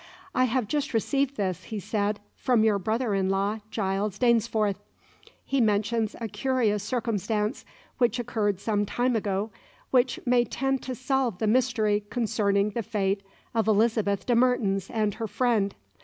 "I have just received this," he said, "from your brother in law Giles Dainsforth. He mentions a curious circumstance which occurred some time ago, which may tend to solve the mystery concerning the fate of Elizabeth de Mertens and her friend.